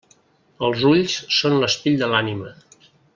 Els ulls són l'espill de l'ànima.